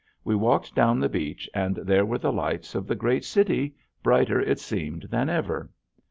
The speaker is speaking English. We walked down the beach and there were the lights of the great city brighter it seemed than ever.